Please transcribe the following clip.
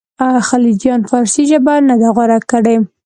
خلجیانو فارسي ژبه نه ده غوره کړې.